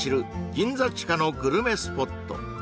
銀座地下のグルメスポット